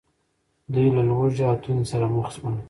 دوی له ولږې او تندې سره مخ شول.